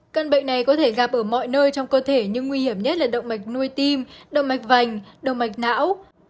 căn bệnh này có thể gặp ở mọi nơi trong cơ thể nhưng nguy hiểm nhất là động mạch nuôi tim động mạch vành đầu mạch não